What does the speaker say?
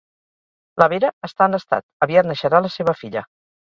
La Vera està en estat, aviat neixerà la seva filla